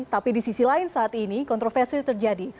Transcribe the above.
tapi di sisi lain saat ini kontroversi terjadi